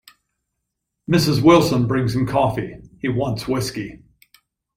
Mrs Wilson brings him coffee; he wants whiskey.